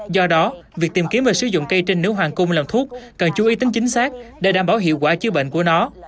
do đó việc tìm kiếm và sử dụng cây trên nếu hoàng cung làm thuốc cần chú ý tính chính xác để đảm bảo hiệu quả chữa bệnh của nó